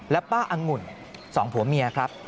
และป้าอังุ่นสองผัวเมียครับ